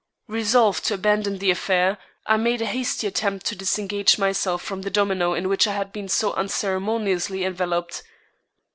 Resolved to abandon the affair, I made a hasty attempt to disengage myself from the domino in which I had been so unceremoniously enveloped.